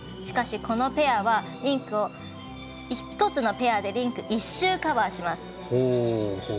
しかし、このペアはリンクを１つのペアでリンク１周、カバーします。